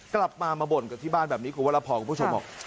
กลับมามาบ่นกันที่บ้านแบบนี้คุณวรพรคุณผู้ชมบอก